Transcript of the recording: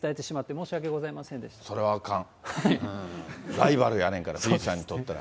ライバルやねんから、富士山にとっては。